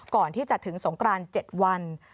ก่อนที่จะถึงสงกราน๗วัน